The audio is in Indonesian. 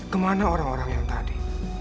kemana orang orang yang tadi